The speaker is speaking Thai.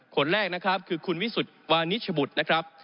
คนแรกนะครับคือคุณวิสุทธิ์วานิชบุตรนะครับ